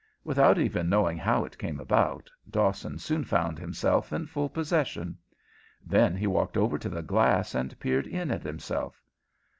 Without even knowing how it came about, Dawson soon found himself in full possession. Then he walked over to the glass and peered in at himself.